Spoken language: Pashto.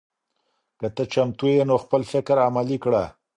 که ته چمتو یې نو خپل فکر عملي کړه.